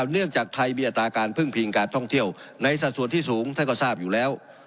เนื่องจากไทยมีอัตราการพึ่งพิงการท่องเที่ยวในสัดส่วนที่สูงท่านก็ทราบอยู่แล้ว